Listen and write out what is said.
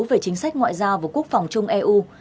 về chính sách ngoại giao và quốc phòng chung eu